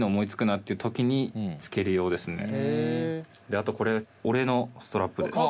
であとこれ俺のストラップです。